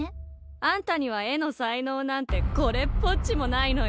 あんたには絵の才能なんてこれっぽっちもないのよ。